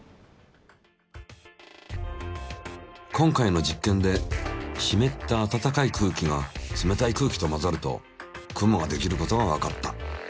今回の実験でしめったあたたかい空気が冷たい空気と混ざると雲ができることがわかった。